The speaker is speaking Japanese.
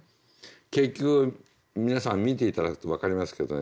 結局皆さん見て頂くと分かりますけどね